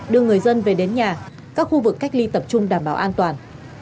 đưa người dân về đến nhà các khu vực cách ly tập trung đảm bảo an toàn